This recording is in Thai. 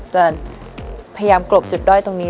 จะพยายามกลบจุดด้อยตรงนี้